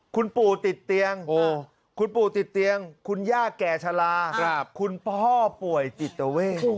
คุณปู่ติดเตียงคุณปู่ติดเตียงคุณย่าแก่ชะลาคุณพ่อป่วยจิตเวท